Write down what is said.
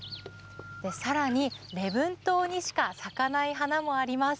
さらに、礼文島にしか咲かない花もあります。